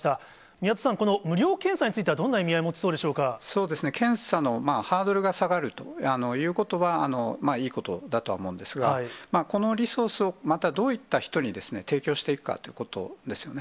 宮田先生、この無料検査についてはどんな意味合いを持ちそうでしそうですね、検査のハードルが下がるということは、いいことだとは思うんですが、このリソースをまたどういった人に提供していくかということですよね。